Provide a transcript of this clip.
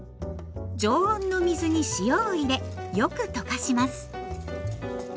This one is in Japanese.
常温の水に塩を入れよく溶かします。